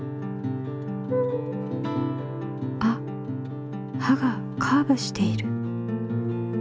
あっ刃がカーブしている。